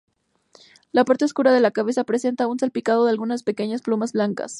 La parte oscura de la cabeza presenta un salpicado de algunas pequeñas plumas blancas.